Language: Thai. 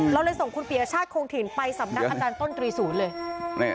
เราเลยส่งคุณปียชาติคงถิ่นไปสำนักอาจารย์ต้นตรีศูนย์เลย